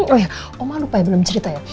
oh ya oma lupa ya belum cerita ya